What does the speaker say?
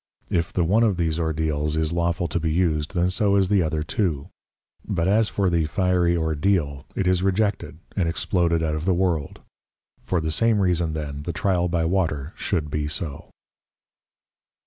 If the one of these Ordeals is lawful to be used, then so is the other too: But as for the fiery Ordeal it is rejected and exploded out of the World; for the same reason then the tryal by Water should be so.